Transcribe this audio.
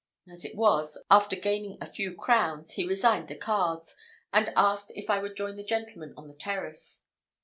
As it was, after gaining a few crowns, he resigned the cards, and asked if I would join the gentlemen on the terrace.